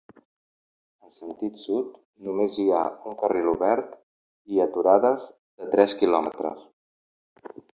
En sentit sud, només hi ha un carril obert i aturades de tres quilòmetres.